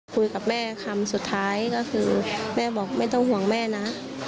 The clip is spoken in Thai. คุยกับแม่คำสุดท้ายก็คือแม่บอกไม่ต้องห่วงแม่นะ